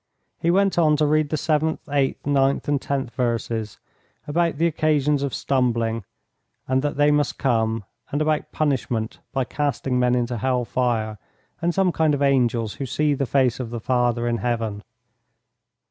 He went on to read the seventh, eighth, ninth, and tenth verses about the occasions of stumbling, and that they must come, and about punishment by casting men into hell fire, and some kind of angels who see the face of the Father in Heaven.